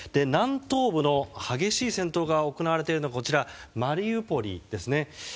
南東部の激しい戦闘が行われているのがマリウポリですね。